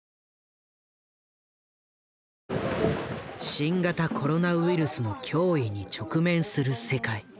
新型コロナウイルスの脅威に直面する世界。